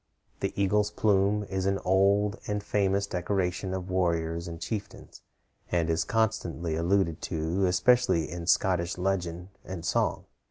The eagle's plume is an old and famous decoration of warriors and chieftains, and is constantly alluded to, especially in Scottish legend and song.